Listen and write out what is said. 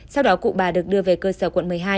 sau đó cụ bà được đưa về cơ sở quận một mươi hai